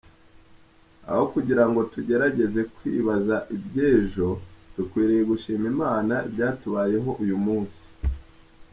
Aho kugira ngo tugerageze kwibaza iby’ejo, dukwiriye gushimira Imana ibyatubayeho uyu munsi.